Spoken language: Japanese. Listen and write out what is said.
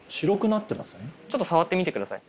ちょっと触ってみてください。